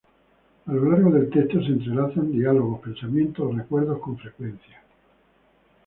A lo largo del texto se entrelazan diálogos, pensamientos o recuerdos con frecuencia.